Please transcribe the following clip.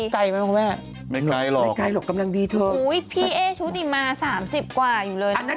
แก่ประมาณ๑๓มีไม่เท่าไรหรอก